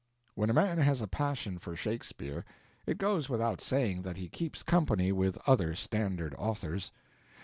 When a man has a passion for Shakespeare, it goes without saying that he keeps company with other standard authors.